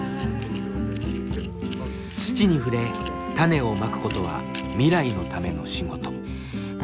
土に触れ種をまくことは未来のための仕事。